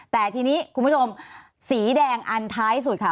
แต่ทีนี้คุณผู้ชมสีแดงอันท้ายสุดค่ะ